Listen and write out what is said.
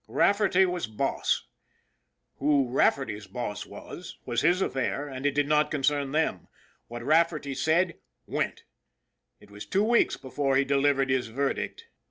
Rafferty was boss. Who Rafferty's boss was, was his affair, and it did not con 6 ON THE IRON AT BIG CLOUD cern them. What Rafferty said went. It was two weeks before he delivered his verdict.